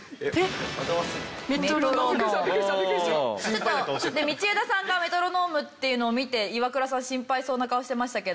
ちょっと道枝さんがメトロノームっていうのを見てイワクラさん心配そうな顔をしてましたけど。